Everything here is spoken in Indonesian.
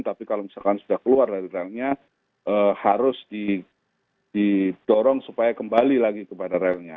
tapi kalau misalkan sudah keluar dari relnya harus didorong supaya kembali lagi kepada relnya